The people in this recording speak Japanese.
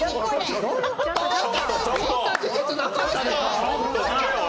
そんな事実なかったよ。